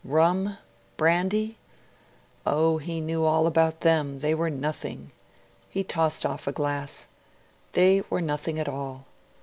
Rum? Brandy? Oh, he knew all about them; they were nothing. He tossed off a glass. They were nothing at all.